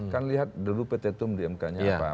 kan lihat dulu pt tum di mk nya apa